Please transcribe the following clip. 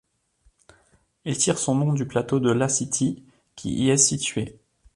Il tire son nom du plateau de Lassithi, qui y est situé.